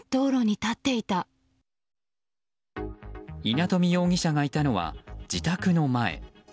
稲富容疑者がいたのは自宅の前。